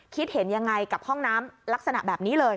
คิดเห็นยังไงกับห้องน้ำลักษณะแบบนี้เลย